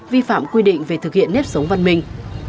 vi phạm quy định về thực hiện nếp sống văn minh